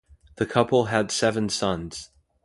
The couple had seven sons.